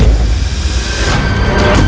tentu sekali raden